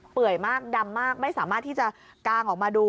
ื่ยมากดำมากไม่สามารถที่จะกางออกมาดู